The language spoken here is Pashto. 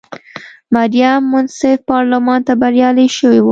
مریم منصف پارلمان ته بریالی شوې وه.